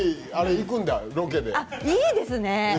いいですね。